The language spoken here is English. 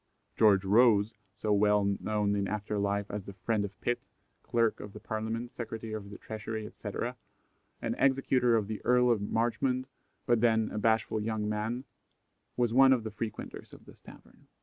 George Rose, so well known in after life as the friend of Pitt, Clerk of the Parliament, Secretary of the Treasury, etc., and executor of the Earl of Marchmont, but then "a bashful young man," was one of the frequenters of this tavern.